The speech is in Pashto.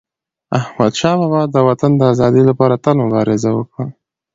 احمدشاه بابا د وطن د ازادی لپاره تل مبارزه وکړه.